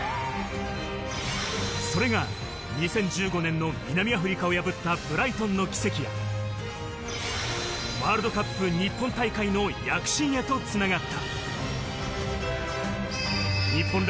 それが２０１５年の南アフリカを破ったブライトンの奇跡や、ワールドカップ日本大会の躍進へとつながった。